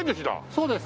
そうです。